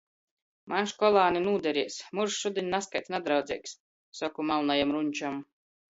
Maņ školāni nūderēs, Murs šudiņ nazkaids nadraudzeigs! soku malnajam ruņčam.